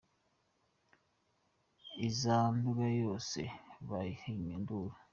Iza i Nduga yose bayiha induru